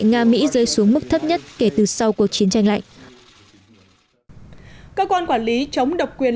nga mỹ rơi xuống mức thấp nhất kể từ sau cuộc chiến tranh lạnh cơ quan quản lý chống độc quyền